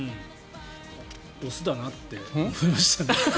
雄だなって思いました。